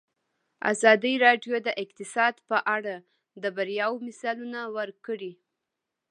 ازادي راډیو د اقتصاد په اړه د بریاوو مثالونه ورکړي.